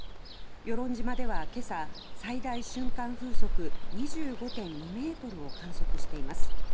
与論島では今朝最大瞬間風速２５．２ｍを観測しています。